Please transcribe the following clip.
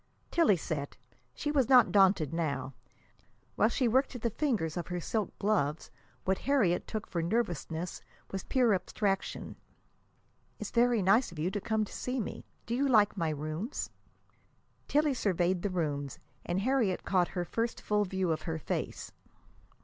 Tillie sat. She was not daunted now. While she worked at the fingers of her silk gloves, what Harriet took for nervousness was pure abstraction. "It's very nice of you to come to see me. Do you like my rooms?" Tillie surveyed the rooms, and Harriet caught her first full view of her face.